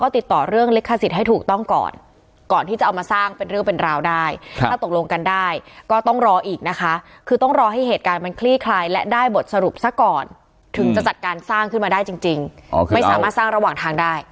ถึงจะจัดการสร้างขึ้นมาได้จริงไม่สามารถสร้างระหว่างทางได้